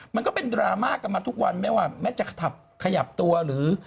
มันก็เป็นดราม่ากันมาทุกวันไม่ว่าแม้จะขับขยับตัวหรือ